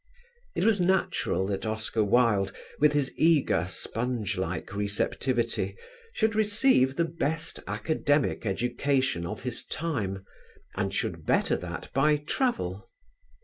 It was natural that Oscar Wilde, with his eager sponge like receptivity, should receive the best academic education of his time, and should better that by travel.